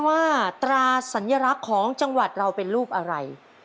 ตราสัญลักษณ์ของจังหวัดเราเป็นรูปอะไร